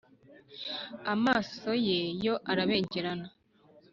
amaso ye yo arabengerana